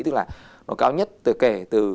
tức là nó cao nhất kể từ